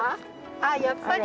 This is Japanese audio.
あっやっぱり。